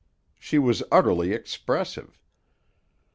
She was utterly expressive.